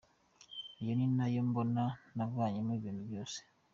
Ayo ni ayo mbona navanyemo ibintu byose”.